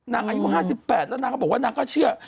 นางอายุ๕๘แล้วนังบอกว่ามันก็เชื่อ